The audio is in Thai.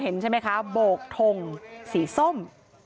เห็นมั้ยคะโบกทงสีส้ม